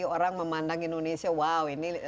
orang memandang indonesia wow ini benar benar bagus